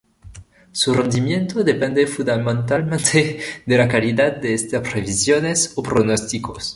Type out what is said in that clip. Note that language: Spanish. Su rendimiento depende fundamentalmente de la calidad de estas previsiones o pronósticos.